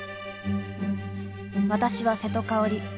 私は瀬戸香織。